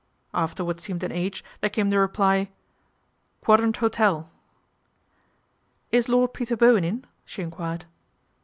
After what seemed an age there came the reply, " Quadrant Hotel." " Is Lord Peter Bowen in ?" she enquired.